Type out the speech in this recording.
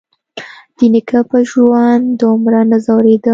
د نيکه په ژوند دومره نه ځورېدم.